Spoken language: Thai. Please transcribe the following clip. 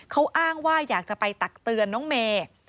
เขาอ้างว่าอยากจะไปตักเตือนน้องเมย์